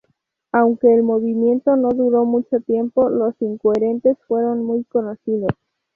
Aunque el movimiento no duró mucho tiempo, los Incoherentes fueron muy conocidos.